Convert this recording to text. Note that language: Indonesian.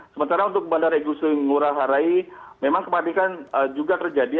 sementara untuk bandar regusung nguraharai memang kematikan juga terjadi